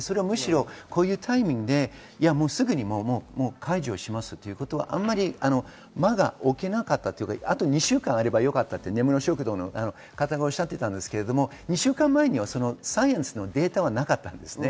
こういうタイミングですぐに解除しますということは、あまり間が置けなかった、あと２週間あればよかったと根室食堂の方はおっしゃっていましたが、２週間前にそのサイエンスデータはなかったんです。